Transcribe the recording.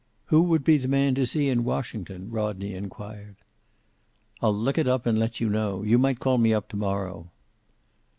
"Who would be the man to see in Washington?" Rodney inquired. "I'll look it up and let you know. You might call me up to morrow."